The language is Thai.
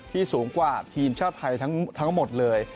สูงกว่าทีมชาติไทยทั้งหมดเลย